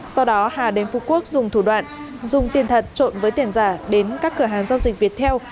sau đó hà đến phú quốc dùng thủ đoạn dùng tiền thật trộn với tiền giả đến các cửa hàng giao dịch viettel